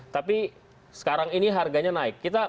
tapi sekarang ini harganya naik